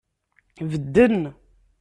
Bedden.